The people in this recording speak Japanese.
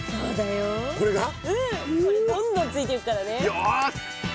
よし！